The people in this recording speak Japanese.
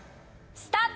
スタート！